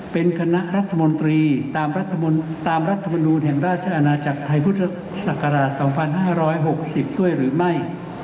เป็นคณะรัฐมนตรีตามรัฐมนูลแห่งราชอาณาจักรไทยพุทธศักราช๒๕๖๐ด้วยหรือไม่